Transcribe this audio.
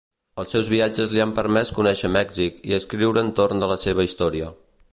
Els seus viatges li han permès conèixer Mèxic i escriure entorn de la seva història.